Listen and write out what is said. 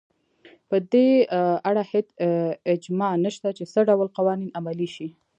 په دې اړه هېڅ اجماع نشته چې څه ډول قوانین عملي شي.